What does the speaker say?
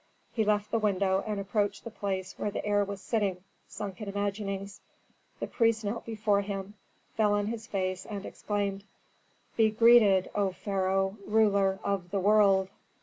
He left the window and approached the place where the heir was sitting, sunk in imaginings. The priest knelt before him, fell on his face, and exclaimed: "Be greeted, O pharaoh, ruler of the world!"